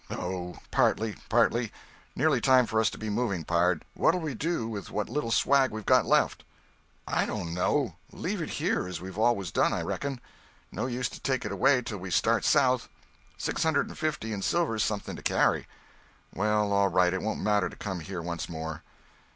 "Oh, partly, partly. Nearly time for us to be moving, pard. What'll we do with what little swag we've got left?" "I don't know—leave it here as we've always done, I reckon. No use to take it away till we start south. Six hundred and fifty in silver's something to carry." "Well—all right—it won't matter to come here once more."